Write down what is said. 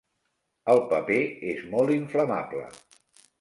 El paper és molt inflamable.